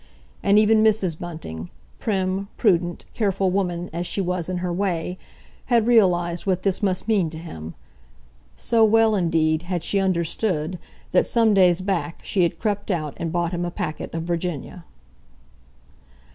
And even Mrs. Bunting—prim, prudent, careful woman as she was in her way—had realised what this must mean to him. So well, indeed, had she understood that some days back she had crept out and bought him a packet of Virginia.